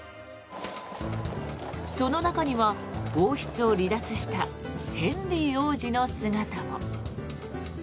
その中には王室を離脱したヘンリー王子の姿も。